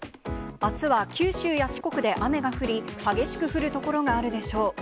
あすは九州や四国で雨が降り、激しく降る所があるでしょう。